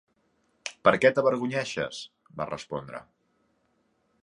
"Per què t'avergonyeixes?", va respondre.